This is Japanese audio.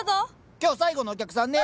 今日最後のお客さんね。